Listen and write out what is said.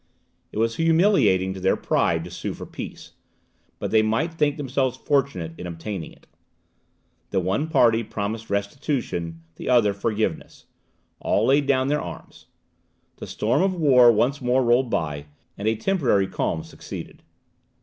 It was humiliating to their pride to sue for peace, but they might think themselves fortunate in obtaining it. The one party promised restitution, the other forgiveness. All laid down their arms. The storm of war once more rolled by, and a temporary calm succeeded.